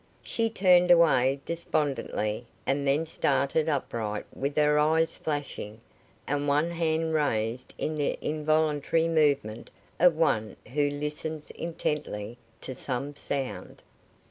She turned away, despondently; and then started upright, with her eyes flashing, and one hand raised in the involuntary movement of one who listens intently to some sound.